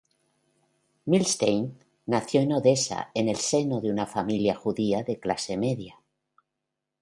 Milstein nació en Odessa en el seno de una familia judía de clase media.